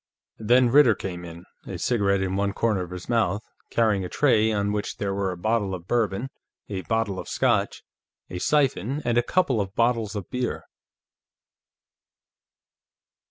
Then Ritter came in, a cigarette in one corner of his mouth, carrying a tray on which were a bottle of Bourbon, a bottle of Scotch, a siphon and a couple of bottles of beer.